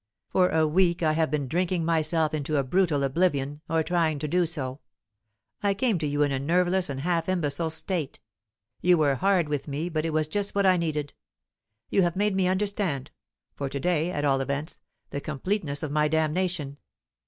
For a week I have been drinking myself into a brutal oblivion or trying to do so; I came to you in a nerveless and half imbecile state. You were hard with me, but it was just what I needed. You have made me understand for to day, at all events the completeness of my damnation.